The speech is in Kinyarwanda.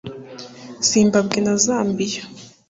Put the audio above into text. Zimbabwe na Zambia